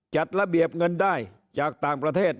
จัดระเบียบเงินได้จากต่างประเทศ